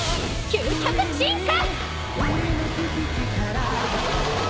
究極進化！